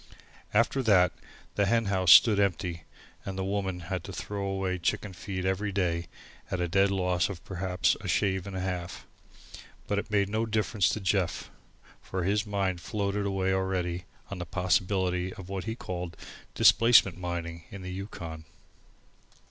After that the hen house stood empty and The Woman had to throw away chicken feed every day, at a dead loss of perhaps a shave and a half. But it made no difference to Jeff, for his mind had floated away already on the possibilities of what he called "displacement" mining on the Yukon.